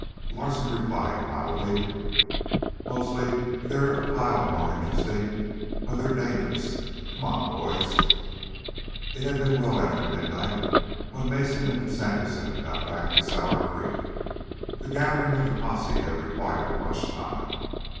Larsen replied mildly: "Mostly they's a pile more interesting when they's dangerous. Come on, boys!" It had been well after midnight when Mason and Sandersen got back to Sour Creek. The gathering of the posse had required much time.